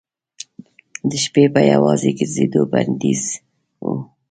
د شپې په یوازې ګرځېدو بندیز و.